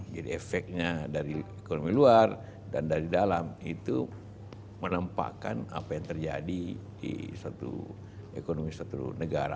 jadi efeknya dari ekonomi luar dan dari dalam itu menempahkan apa yang terjadi di satu ekonomi satu negara